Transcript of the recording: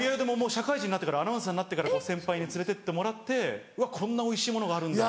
社会人にアナウンサーになってから先輩に連れてってもらって「うわこんなおいしいものがあるんだ」